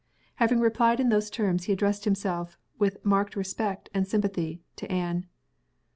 Having replied in those terms he addressed himself, with marked respect and sympathy, to Anne.